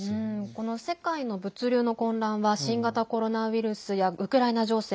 この世界の物流の混乱は新型コロナウイルスやウクライナ情勢